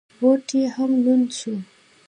بوټ یې هم لوند شو.